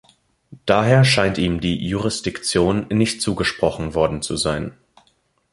Daher scheint ihm die Jurisdiktion nicht zugesprochen worden zu sein.